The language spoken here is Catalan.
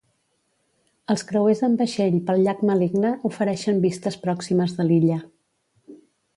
Els creuers en vaixell pel llac Maligne ofereixen vistes pròximes de l'illa.